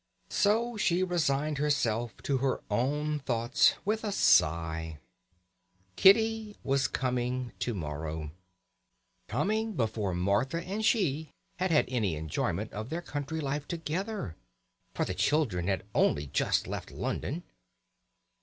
So she resigned herself to her own thoughts with a sigh. Kitty was coming to morrow! Coming before Martha and she had had any enjoyment of their country life together, for the children had only just left London.